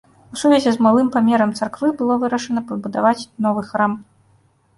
У сувязі з малым памерам царквы было вырашана пабудаваць новы храм.